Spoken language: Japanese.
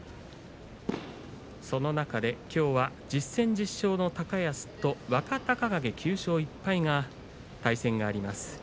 その中で、きょうは１０戦全勝の高安と若隆景、９勝１敗の対戦があります。